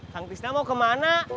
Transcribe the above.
sangtisnya mau kemana